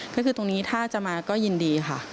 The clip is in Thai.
ก็คือตรงนี้ถ้าจะมาก็ยินดีค่ะ